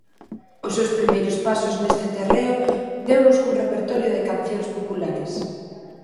Os seus primeiros pasos neste terreo deunos cun repertorio de cancións populares.